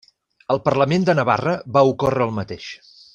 Al Parlament de Navarra va ocórrer el mateix.